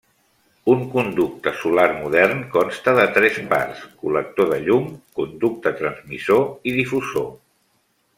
Un conducte solar modern consta de tres parts: col·lector de llum, conducte transmissor i difusor.